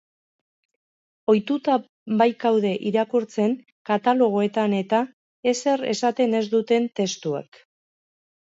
Ohituta baikaude irakurtzen, katalogoetan-eta, ezer esaten ez duten testuak.